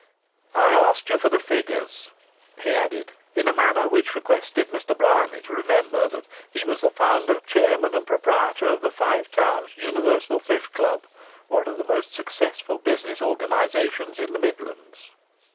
"I asked you for the figures," he added, in a manner which requested Mr. Bryany to remember that he was the founder, chairman and proprietor of the Five Towns Universal Thrift Club, one of the most successful business organizations in the Midlands.